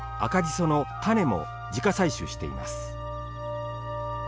その種も自家採取しています。